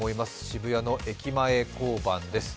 渋谷の駅前交番です。